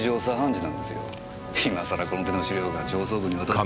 今さらこの手の資料が上層部に渡っても。